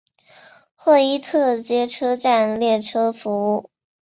霍伊特街车站列车服务。